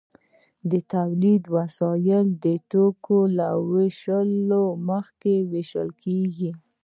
د تولید وسایل د توکو له ویشلو مخکې ویشل کیږي.